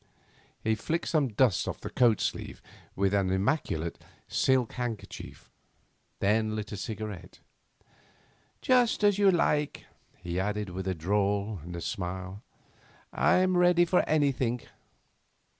He flicked some dust off his coat sleeve with an immaculate silk handkerchief, then lit a cigarette. 'Just as you like,' he added with a drawl and a smile. 'I'm ready for anything.